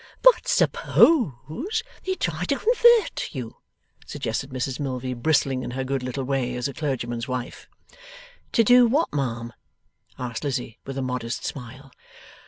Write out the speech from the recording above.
'But suppose they try to convert you!' suggested Mrs Milvey, bristling in her good little way, as a clergyman's wife. 'To do what, ma'am?' asked Lizzie, with a modest smile.